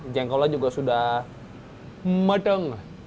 jengkolnya juga sudah mateng